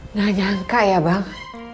nggak nyangka ya bang